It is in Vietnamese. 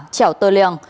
chẻo tờ lèng